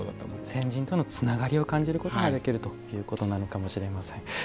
先人とのつながりを感じることができるということなのかもしれません。